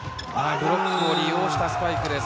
ブロックを利用したスパイクです。